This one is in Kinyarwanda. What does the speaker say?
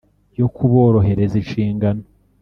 yo kuborohereza inshingano